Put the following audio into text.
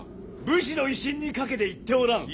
武士の威信に懸けて言っておらん！